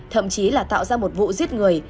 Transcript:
thậm chí là tạo ra một vụ giết người